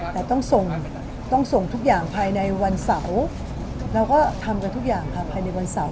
แต่ต้องส่งต้องส่งทุกอย่างภายในวันเสาร์เราก็ทำกันทุกอย่างค่ะภายในวันเสาร์